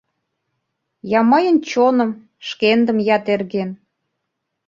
Я мыйын чоным, шкендым я терген